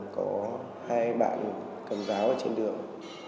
có hai bạn cầm giáo ở trên đường